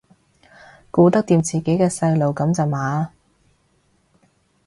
顧得掂自己嘅細路噉咋嘛